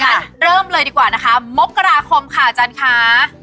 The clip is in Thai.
งั้นเริ่มเลยดีกว่านะคะมกราคมค่ะอาจารย์ค่ะ